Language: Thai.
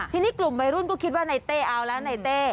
ทีนี้กลุ่มวัยรุ่นก็คิดว่าในเต้เอาแล้วในเต้